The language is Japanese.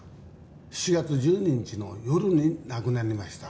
７月１２日の夜に亡くなりました。